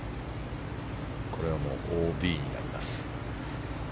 これはもう、ＯＢになります。